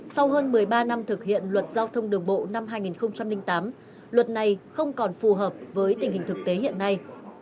sau hơn một mươi ba năm thực hiện luật giao thông đường bộ năm hai nghìn tám luật này không còn phù hợp với tình hình thực tế hiện nay